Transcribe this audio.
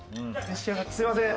すみません。